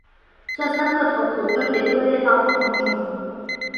这三个头骨分别归类到不同种。